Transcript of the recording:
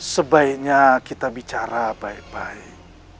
sebaiknya kita bicara baik baik